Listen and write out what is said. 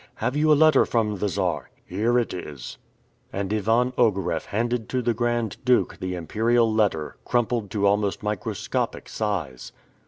"Have you a letter from the Czar?" "Here it is." And Ivan Ogareff handed to the Grand Duke the Imperial letter, crumpled to almost microscopic size.